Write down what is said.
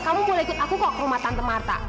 kamu boleh ikut aku kok rumah tante marta